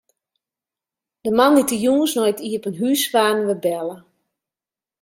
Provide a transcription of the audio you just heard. De moandeitejûns nei it iepen hús waarden wy belle.